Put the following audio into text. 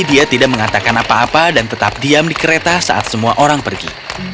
dia tidak akan berpengalaman dan tetap diam di kereta saat semua orang pergi